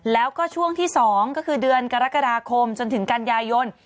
แล้วก็ช่วงที่๒ก็คือเดือนกรกฎาคมจนถึงกันยายน